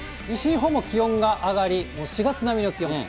西日本も気温が上がり、４月並みの気温。